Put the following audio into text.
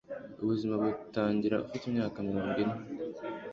Ubuzima butangira ufite imyaka mirongo ine